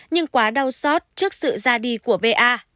nhưng quá đau xót trước sự ra đi của va